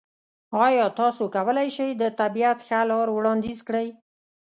ایا تاسو کولی شئ د طبیعت ښه لار وړاندیز کړئ؟